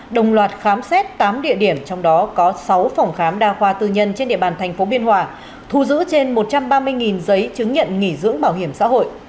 đồng loạt khám xét tám địa điểm trong đó có sáu phòng khám đa khoa tư nhân trên địa bàn thành phố biên hòa thu giữ trên một trăm ba mươi giấy chứng nhận nghỉ dưỡng bảo hiểm xã hội